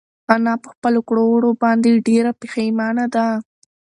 انا په خپلو کړو وړو باندې ډېره پښېمانه ده.